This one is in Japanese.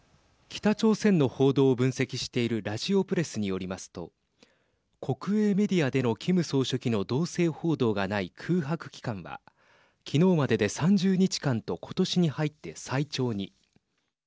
北朝鮮の報道を分析しているラヂオプレスによりますと国営メディアでのキム総書記の動静報道がない空白期間は昨日までで３０日間と今年に入って最長に。